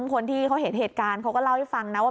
คนที่เขาเห็นเหตุการณ์เขาก็เล่าให้ฟังนะว่า